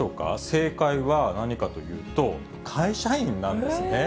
正解は何かというと、会社員なんですね。